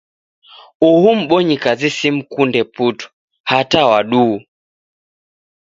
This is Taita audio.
Uhu mbonyikazi simkunde putu, hata wa duhu!